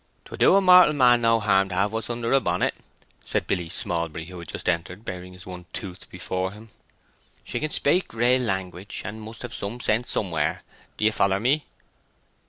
"'Twould do a martel man no harm to have what's under her bonnet," said Billy Smallbury, who had just entered, bearing his one tooth before him. "She can spaik real language, and must have some sense somewhere. Do ye foller me?"